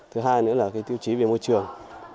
thứ hai nữa là tiêu chí về môi trường